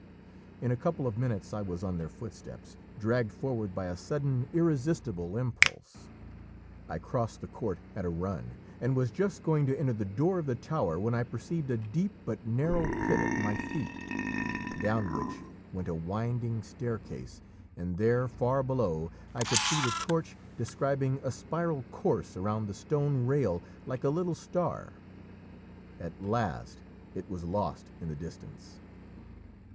In a couple of minutes I was on their footsteps, dragged forward by a sudden irresistible impulse. I crossed the court at a run, and was just going to enter the door of the tower when I perceived a deep but narrow pit at my feet, down which went a winding staircase, and there far below I could see the torch describing a spiral course around the stone rail like a little star; at last it was lost in the distance.